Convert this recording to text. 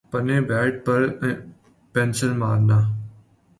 پنے پیٹ پر پنسل مارنا